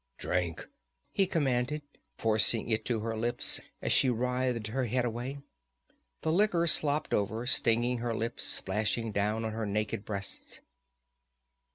"Drink!" he commanded, forcing it to her lips, as she writhed her head away. The liquor slopped over, stinging her lips, splashing down on her naked breasts.